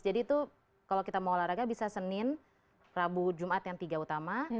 jadi itu kalau kita mau olahraga bisa senin rabu jumat yang tiga utama